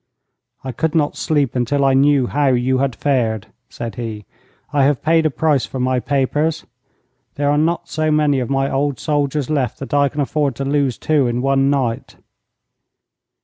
'I could not sleep until I knew how you had fared,' said he. 'I have paid a price for my papers. There are not so many of my old soldiers left that I can afford to lose two in one night.'